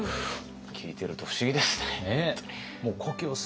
聞いてると不思議ですね。